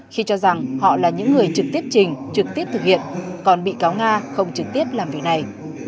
khi cho rằng họ là những người trực tiếp trình trực tiếp thực hiện còn bị cáo nga không trực tiếp làm việc này